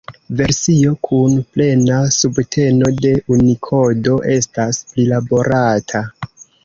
Versio kun plena subteno de Unikodo estas prilaborata.